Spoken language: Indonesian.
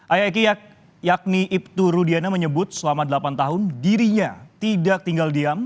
ayaki yakni ibtu rudiana menyebut selama delapan tahun dirinya tidak tinggal diam